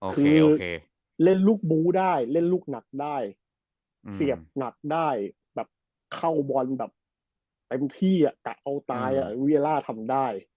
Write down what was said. คือเล่นลูกบู้ได้เล่นลูกหนักได้เสียบหนักได้แบบเข้าบอลแบบเต็มที่กะเอาตายเวียล่าทำได้